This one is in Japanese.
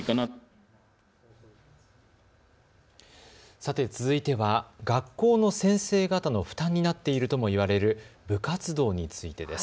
さて続いては学校の先生方の負担になっているともいわれる部活動についてです。